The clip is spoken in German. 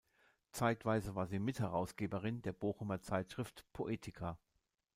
Zeitweise war sie Mitherausgeberin der Bochumer Zeitschrift "Poetica".